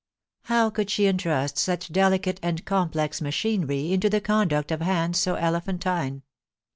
How could she entrust such delicate and com plex machinery into the conduct of hands so elephantine